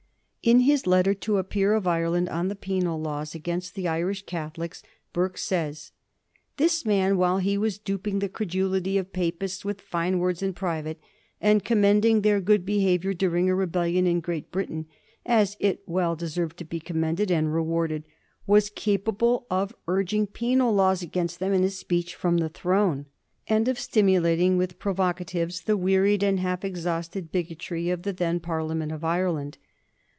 In his letter to a peer of Ireland on the Penal Laws against the Irish Catholics, Burke says :" This man, while he was duping the credulity of Papists with fine words in private, and commending their good behavior during a rebellion in Great Britain — as it well de served to be commended and rewarded — was capable of urg ing penal laws against them in a speech from the Throne, and of stimulating with provocatives the wearied and half exhausted bigotry of the then Parliament of Ireland."